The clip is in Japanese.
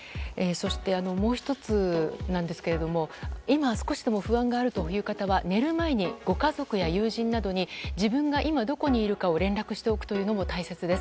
そしてもう１つですが今、少しでも不安があるという方は寝る前に、ご家族や友人などに自分が今どこにいるかを連絡しておくというのも大切です。